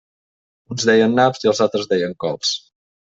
Uns deien naps i els altres deien cols.